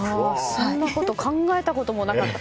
そんなこと考えたこともなかった。